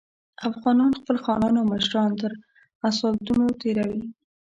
افغانان خپل خانان او مشران تر اصالتونو تېروي.